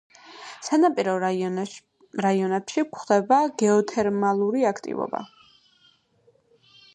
სანაპირო რაიონებში გვხვდება გეოთერმალური აქტივობა.